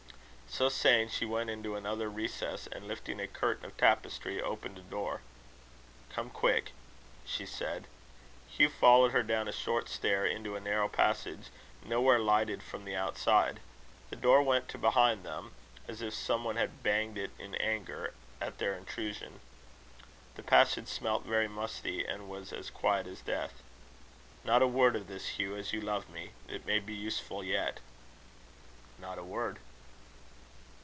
So saying, she went into another recess, and, lifting a curtain of tapestry, opened a door. "Come quick," she said. Hugh followed her down a short stair into a narrow passage, nowhere lighted from the outside. The door went to behind them, as if some one had banged it in anger at their intrusion. The passage smelt very musty, and was as quiet as death. "Not a word of this, Hugh, as you love me. It may be useful yet." "Not a word."